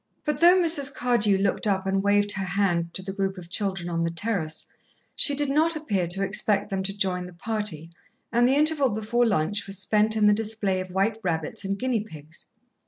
But though Mrs. Cardew looked up and waved her hand to the group of children on the terrace, she did not appear to expect them to join the party, and the interval before lunch was spent in the display of white rabbits and guinea pigs.